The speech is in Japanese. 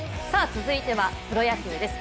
続いてはプロ野球です。